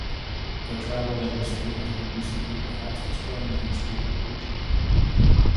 The travel industry has been recently the fastest growing industry in the region.